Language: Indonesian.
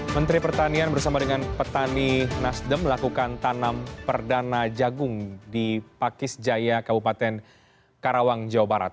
menteri pertanian bersama dengan petani nasdem melakukan tanam perdana jagung di pakis jaya kabupaten karawang jawa barat